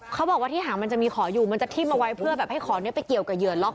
เขาบอกว่าที่หางมันจะมีขออยู่มันจะทิ้มเอาไว้เพื่อแบบให้ขอนี้ไปเกี่ยวกับเหยื่อล็อก